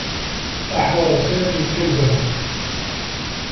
أحضر سامي كلبه.